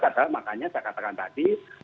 padahal makanya saya katakan tadi